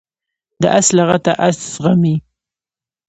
د آس لغته آس زغمي.